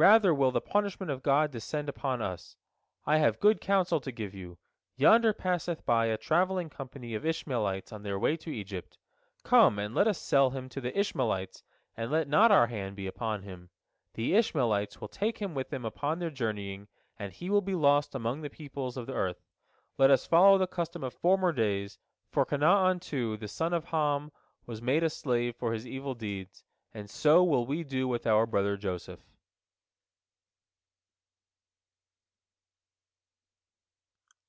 Rather will the punishment of God descend upon us. I have good counsel to give you. Yonder passeth by a travelling company of Ishmaelites on their way to Egypt. Come and let us sell him to the Ishmaelites, and let not our hand be upon him. The Ishmaelites will take him with them upon their journeyings, and he will be lost among the peoples of the earth. Let us follow the custom of former days, for Canaan, too, the son of Ham, was made a slave for his evil deeds, and so will we do with our brother Joseph."